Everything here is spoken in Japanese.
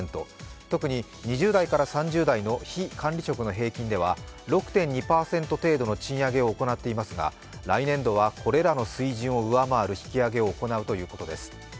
特に２０代から３０代の非管理職の平均では６．２％程度の賃上げを行っていますが、来年度はこれらの水準を上回る引き上げを行うということです。